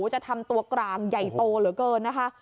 จะทำตัวกลางใหญ่โตเหลือเกินนะคะ